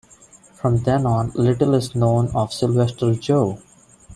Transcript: From then on little is known of Sylvester Joe.